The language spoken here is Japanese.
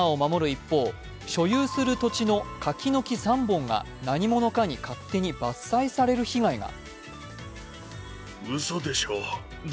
一方所有する土地の柿の木３本が何者かに勝手に伐採される被害が。